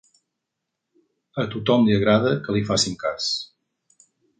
A tothom li agrada que li facin cas.